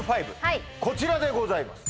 こちらでございます